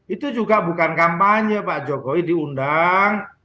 itu juga bukan kampanye pak jokowi diundang